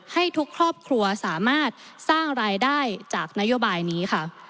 ให้ทุกครอบครัวสามารถสร้างรายได้จากนโยบายนี้ค่ะ